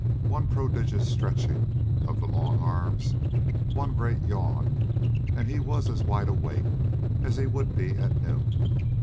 One prodigious stretching of the long arms, one great yawn, and he was as wide awake as he would be at noon.